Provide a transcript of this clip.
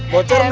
bocor gak tuh